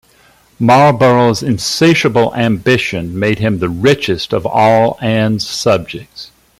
Marlborough's insatiable ambition made him the richest of all Anne's subjects.